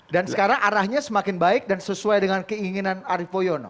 sekarang arahnya semakin baik dan sesuai dengan keinginan arief poyono